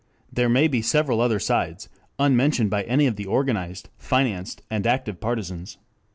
There may be several other sides, unmentioned by any of the organized, financed and active partisans.